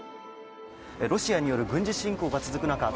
ロシアによる軍事侵攻が続く中